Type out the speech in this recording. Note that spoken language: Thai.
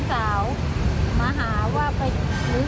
เชื่อว่าเขายังไม่ได้รับความเป็นธรรม